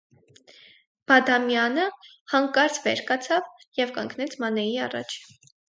Բադամյանը հանկարծ վեր կացավ և կանգնեց Մանեի առաջ: